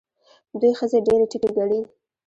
دوی ښځې ډېرې ټیټې ګڼي.